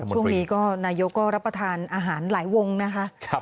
ช่วงนี้ก็นายกก็รับประทานอาหารหลายวงนะคะ